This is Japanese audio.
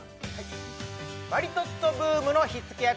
マリトッツォブームの火付け役